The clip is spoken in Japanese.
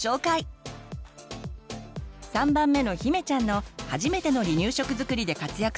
３番目の姫ちゃんの初めての離乳食作りで活躍するのはこちら。